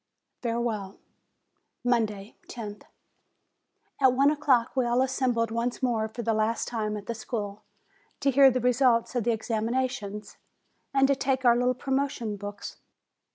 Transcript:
346 JULY FAREWELL Monday, loth. At one o'clock we all assembled once more for the last time at the school, to hear the results of the ex aminations, and to take our little promotion books.